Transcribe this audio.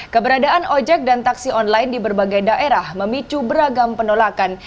keberadaan ojek dan taksi online di berbagai daerah memicu beragam penolakan